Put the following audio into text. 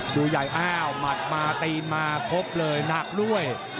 ดูใหญ่อ้าวหมัดมาตีนมาครบเลยหนักด้วย